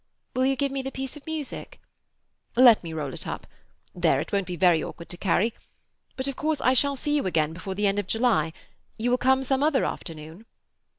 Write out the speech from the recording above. "Will you give me the piece of music?" "Let me roll it up. There; it won't be very awkward to carry. But of course I shall see you again before the end of July? You will come some other afternoon?"